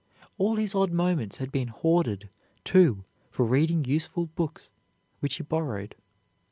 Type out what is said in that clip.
All his odd moments had been hoarded, too, for reading useful books, which he borrowed.